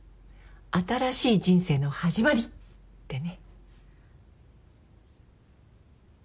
新しい人生の始まりってね。